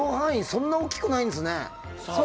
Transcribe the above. そんなに大きくないですね。